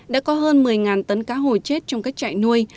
đã có hơn một mươi tấn cá hồi chết trong các trại nuôi